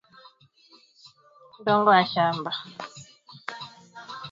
udogo wa shamba huchangia kupata mavuno ya tofauti